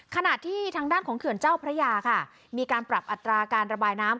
ขณะที่ทางด้านของเขื่อนเจ้าพระยาค่ะมีการปรับอัตราการระบายน้ำ